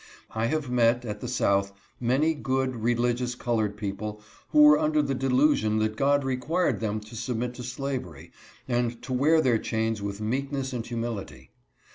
I have met, at the south, many good, s^ligious colored people who were under the delusion that God required them to submit to slavery and to wear their chains with meekness and humility.